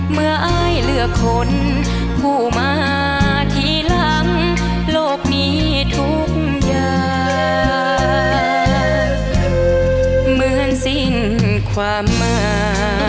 เมื่ออ้ายเลือกคนผู้มาทีหลังโลกมีทุกอย่างเหมือนสิ้นความมา